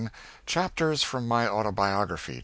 CHAPTERS FROM MY AUTOBIOGRAPHY.